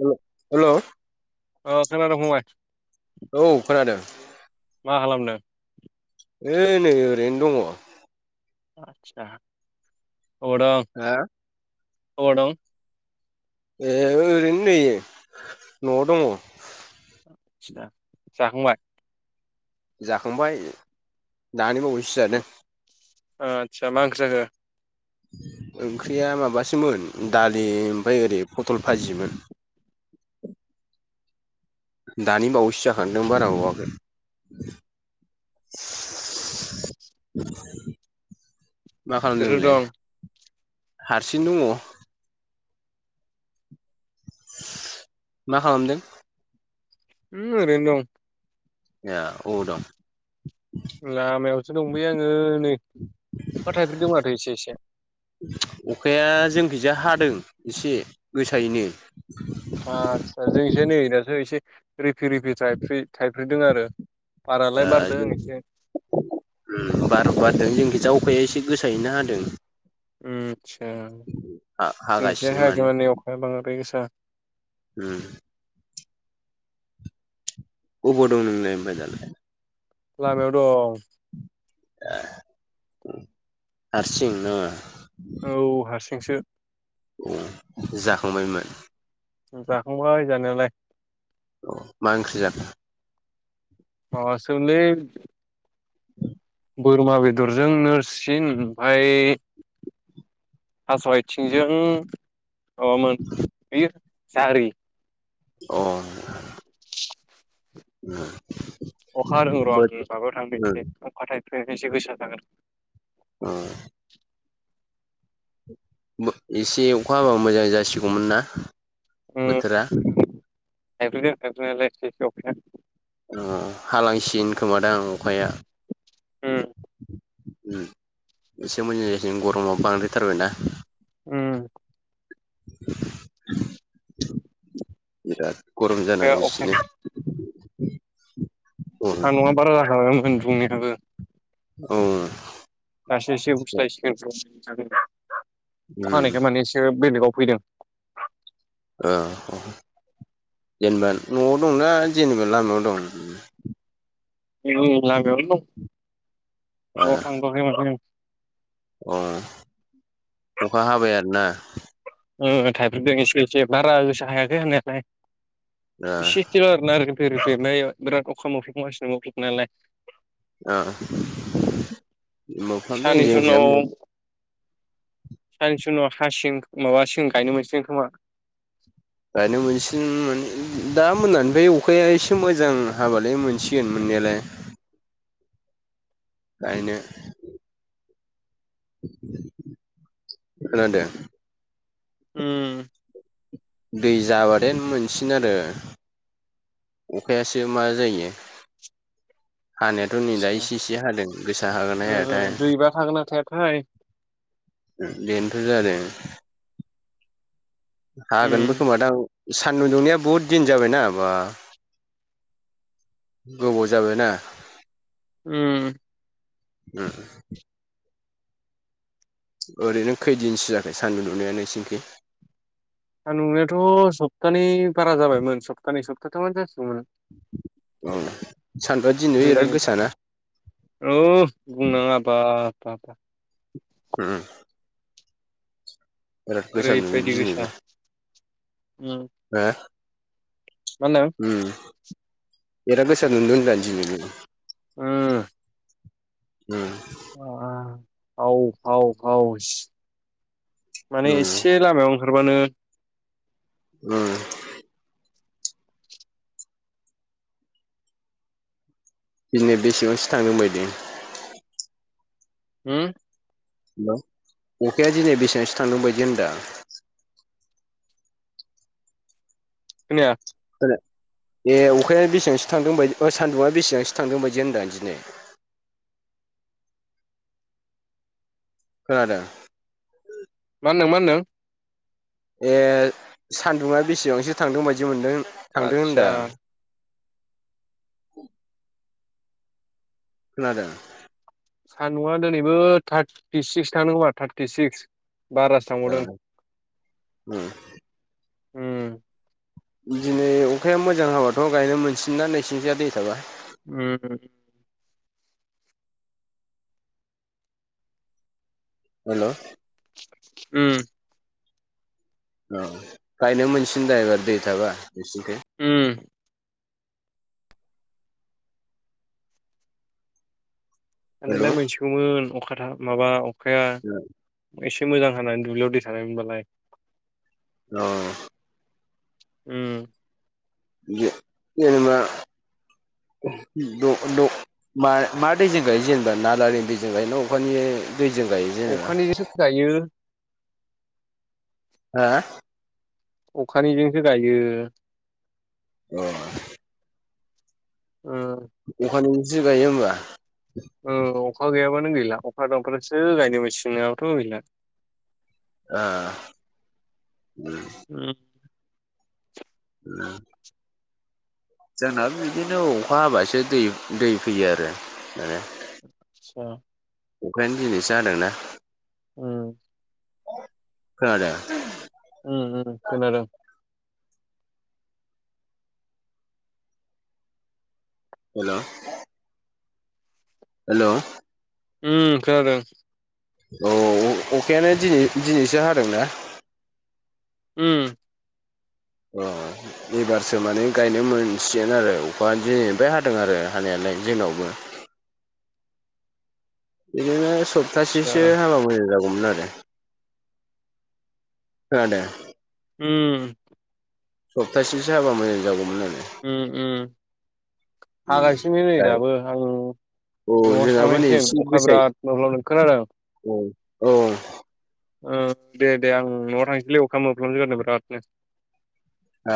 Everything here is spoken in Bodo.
हेल हेल' अ खना हुङा [unintelligible] औ खोनादों मा खालामदों इ नै ओरैनो दङ आतसा अ हा औबौ दं ए ओरैनो नै न'आव दङ आसा जाखांबाय जाखांबाय दानिबावैसोो जानो आचसा मा ओंख्रि जाखो ओंख्रिया माबासोमोन दालि ओमफ्राय ओरै पटल भाजिमोन दानि बावैसो जाखांदों बारा बावगोन [inaudible] [inaudible] [unintelligible] मा खालामदों सोर सोर नोंलाय दं हारसिं दङ मा खालामदों ओरैनो दं ए औ दं लामायावसो दंलै आङो नै अखा थाइबै दं माथ' एसे एसे अखाया जोंखैजा हादों एसे गोसायैनो आतसा जोंसो नै दासो एसे रिफि रिफि थाइ्रि थाइफैदों आरो ओ बारालाय बारदों जों एसे बार' बो बारदों जोंखि जायअखाया एसे गोसायैनो हादों आतसा जोंथि हायाखै माने अखाया बांद्राय गोसा [inaudible] अबाव दं नोंल ओमफ्राय दालाय लामायाव दं हारसिं ना मा औ हारसिंसो औ जाखांबायमोन जाखांबाय जानायालाय मा ओंख्रि ज माबासो मोनलै बोरमा बेदरजों नोरसिन ओमफ्राय थास' आथिंजों माबामोन बे जारि अ [inaudible] [inaudible] अखा रों र' बोथ आंो माबायाव थांबायदिै अखाथायाइ फै एसे गोसा जागोन [inaudible] एसे अखा हाबा मोजां जासिगौमोन नना बोथोरा थायफ्रिदों थायफ्रिनायालाय एसे एसे अखाया अ हालांसिगोन खोमादां अखाया। उम एसे मोजां जसिगोन गरमा बांद्रायथारबाय ना। उम [inaudible] बिराद गरम अखाया [unintelligible] अखाया औ हा न'ङआ बारा जाखङामोन बुंनायाबो ओम दासो एसे बुस्लायसिगोन अखा उम हानायखाय माने एसे बेलेगाव फैदों औ जेनेबा न'आव दंना जेनेबा लामायाव दं ए ओं लामायावनो दं न'आव थांथ'आखै [inaudible] अं अखा हाबाय आरोना ओ थायफ्रिदों एसे एसे बारा गोसा हायाखै हानायालाय ओ इसे एसेल' आरोना ओरैनो [unintelligible] बिराद अखा मोफ्लामगासिनो मोफ्लामनायालाय। ओ मोफ्लामदों जोंनिजायबो सानैसो उनाव हासिगोन माबासिगोन गायनो मोनसिगोन खोमा गायनो मोनसिन दा मोनानिफ्राय अखाया एसे मोजां हाबालाय मोनसिगोन मोननायालाय। गायनो खोनादों उम दै जाबादेन मोनसिगोन आरो अखायासो मा जायो। [unintelligible] हानायाथ' नै दा इसे इसे हादों गोसा हागोना‌ ओ हायाथाय। दैबा थागोना थायाथाय बेनोथ' जादों उम हागोनबो खोमा दा सान्दुं दुंनाया बुहुद दिन जाबायना बा गोबाव जाबायना उम उम ओरैनो खैदिनसो जाखो सान्दुं दुंनाया नोंसोरनिखै। आं नुनायाथ' सप्तानै बारा जाबायमोन सप्तानै सप्ताथामानो जासिगौमोन औ सान्दुंआ‌ दिनैबो दिनै बिराद गोसाना औ बुंनाङा बा बाब उम बिराद गोसा दुंदों ओरैबायदि दिनै गोसा उम हो मा होनदों उम बिराद गोसा दुंदों होनदां दिनैबो उम उम हाव हाव हाव सि‌ माने उम एसे लामायाव ओंखारबानो उम दिनै बेसेबांसो थांदों बायदि होम हेलौ अखाया दिनै बेसेबांसो थांदों बायदि होनदां खोनाया ए अखाया बेसेबांसो थांदों बायदि सान्दुङा बेसेबांसो थांदों बायदि होनदों आं दिनै खोनादों मा होनदों मा होनदों? ए सान्दुङा बेसेबांसो थांदों बायदि मोनदों थांदों आतसा होनदां [inaudible] खोनादों सान्दुंआ दिनैबो थार्टिसिक्स थांदों खोमा थार्टिसिक्स उम उम दिनै अखाया मोजां हाबाथ' गायनो मोनसिन ना नैसिंथिया दै थाबा उम हेल' उम औ गायनो मोनसिनदाबा दै थाबा नोंसोरनि उम हेल' आलाय मोनसेगौमोन अखा माबा अखाया एसे मोजां हानानै दुब्लियाव दै थानायमोनबालाय अ उम ज जेनबा द द म मा दैजों गायो जेनेबा नारालारिनि दैजों गायो ना अखानि दैजों गायो जेनेबा? अखानिजोंसो गायो हा अखानिजोंसो गायो औ ओम अखानिजोंसो गायो होमबा औ अखा गैयाबानो गैला अखा दंफ्रासो गायनो मेसिनाथ' गैला आ उम [unintelligible] जोंननाो बिदिनो अखा हाबासो दै दै फैयो आरो मान आतसा अखानो दिनैसो जादोंना उम खोनादो ओ ओ खोनादों हेलौ हेलौ उम खोनादों औ अखायानो दि-दिनै दिनैसो हादोंना उम अ लबारसो माने गायनो मोनसिगोन आरो अखा जेनैबाय हादों आरो हानायालाय जोंनावबो बिदिनो आतसा सप्तासेसो हाबा मोजां जागौमोन आरो खोनादो उम सप्तासेसो हाबा मोजां जागौमोन आरो उम उम उम हागासिनो नै दा दाबो उम औ न'आवो जोंहाबो नै थांनायसम अखा बिराद माब्लाब खोनादों उम औ ओ दे दे आं न'आव थांनोसैलै अखा मोफ्लामनाय जादों बिरादनो आ